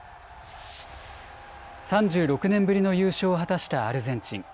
３６年ぶりの優勝を果たしたアルゼンチン。